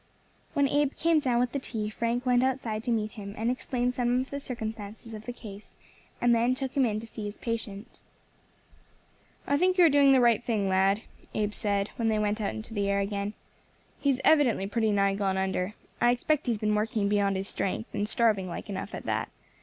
When Abe came down with the tea Frank went outside to meet him, and explained some of the circumstances of the case, and then took him in to see his patient. [Illustration: THE SICK FRIEND IN THE MINING CAMP.] "I think you are doing the right thing, lad," Abe said, when they went out into the air again. "He is evidently pretty nigh gone under. I expect he has been working beyond his strength, and starving, like enough, at that.